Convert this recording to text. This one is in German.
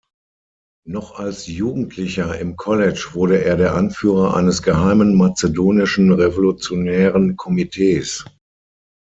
Noch als Jugendlicher im College wurde er der Anführer eines Geheimen Mazedonischen Revolutionären Komitees.